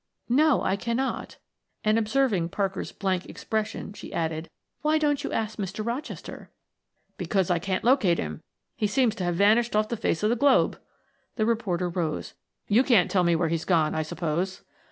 "No, I cannot," and observing Parker's blank expression, she added, "why don't you ask Mr. Rochester?" "Because I can't locate him; he seems to have vanished off the face of the globe." The reporter rose. "You can't tell me where's he's gone, I suppose?"